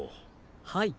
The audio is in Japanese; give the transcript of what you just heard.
はい。